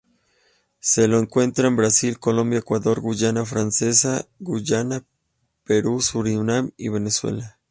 Se lo encuentra en Brasil, Colombia, Ecuador, Guayana francesa, Guyana, Perú, Surinam y Venezuela.